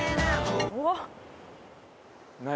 うわっ何？